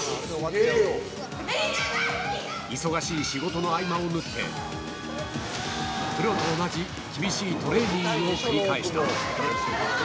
忙しい仕事の合間を縫って、プロと同じ厳しいトレーニングを繰り返した。